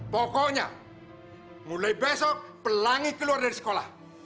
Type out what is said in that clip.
pokoknya mulai besok pelangi keluar dari sekolah